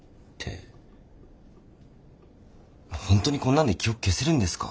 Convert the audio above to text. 本当にこんなんで記憶消せるんですか？